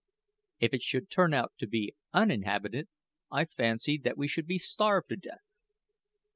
If it should turn out to be uninhabited, I fancied that we should be starved to death.